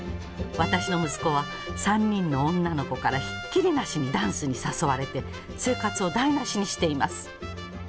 私の息子は３人の女の子からひっきりなしにダンスに誘われて生活を台なしにしています。